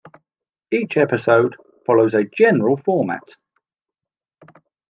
Each episode follows a general format.